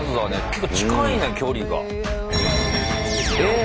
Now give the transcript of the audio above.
結構近いね距離が。えっ。